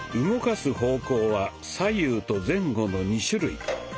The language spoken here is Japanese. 動かす方向は左右と前後の２種類。